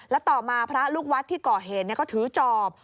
และต่อมาพระลูกวัดที่ก่อเหตุก็ถือจอบ